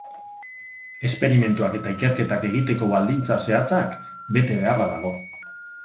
Esperimentuak eta ikerketak egiteko baldintza zehatzak bete beharra dago.